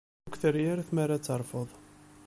Ur k-terri ara tmara ad terfuḍ.